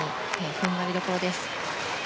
踏ん張りどころです。